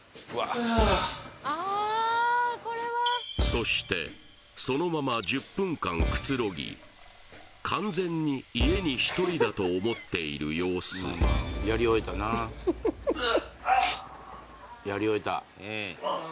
そしてそのまま１０分間くつろぎ完全に家に１人だと思っている様子うっああああ